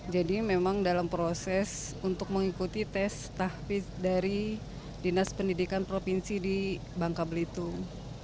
jadi memang dalam proses untuk mengikuti tes tahfiz dari dinas pendidikan provinsi di bangka belitung